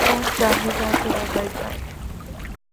کون چاہے گا کہ وہ مر جاَئے۔